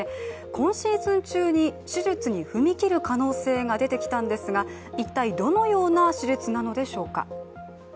今シーズン中に手術に踏み切る可能性が出てきたんですが、一体どのような手術なのでしょうか。